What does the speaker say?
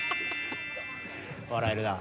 笑えるな。